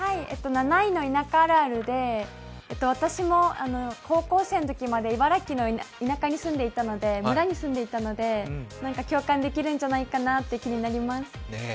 ７位の田舎あるあるで私も高校生のときまで茨城の村に住んでいたので共感できるんじゃないかなって気になります。